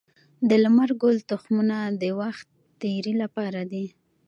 د لمر ګل تخمونه د وخت تیري لپاره دي.